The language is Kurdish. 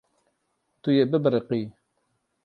Tu yê bibiriqî.